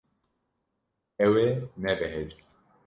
Ew ê nebehece.